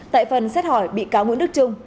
tại phần xét hỏi bị cáo nguyễn đức trung